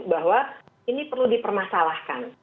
bahwa ini perlu dipermasalahkan